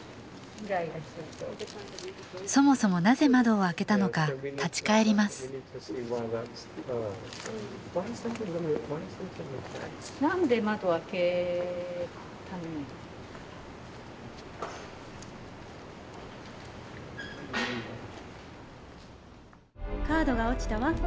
さらにそもそもなぜ窓を開けたのか立ち返りますカードが落ちたわ。